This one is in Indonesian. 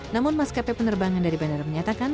namun maskapai penerbangan dari bandara menyatakan